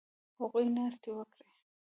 هغوی ناستې وکړې